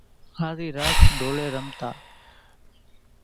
هازِي راچ ڍولين رمتان۔